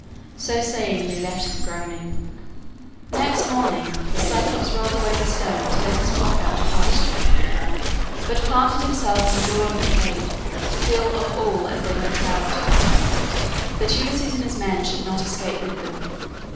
So saying, they left him groaning. Next morning the Cyclops rolled away the stone to let his flock out to pasture, but planted himself in the door of the cave to feel of all as they went out, that Ulysses and his men should not escape with them.